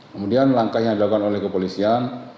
kemudian langkah yang dilakukan oleh kepolisian